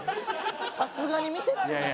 さすがに見てられへん。